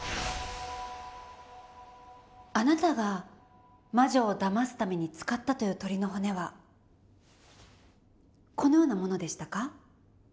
あなたが魔女をだますために使ったという鶏の骨はこのようなものでしたか？